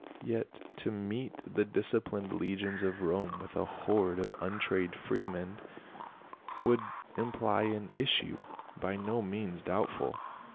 " Yet to meet the disciplined legions of Rome with a horde of untrained freedmen would imply an issue by no means doubtful.